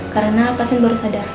karena pasien baru sadar